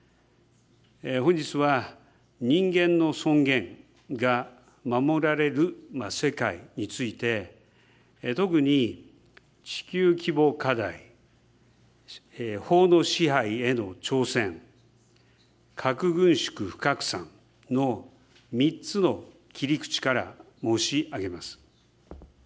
本日は人間の尊厳が守られる世界について、特に地球規模課題、法の支配への挑戦、核軍縮・不拡散の３つの切り口から申し上げます。